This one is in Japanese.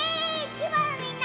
千葉のみんな！